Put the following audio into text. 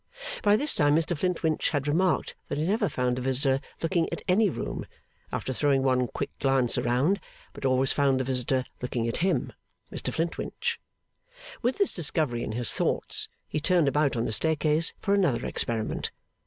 By this time Mr Flintwinch had remarked that he never found the visitor looking at any room, after throwing one quick glance around, but always found the visitor looking at him, Mr Flintwinch. With this discovery in his thoughts, he turned about on the staircase for another experiment.